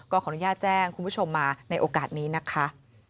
ขออนุญาตแจ้งคุณผู้ชมมาในโอกาสนี้นะคะ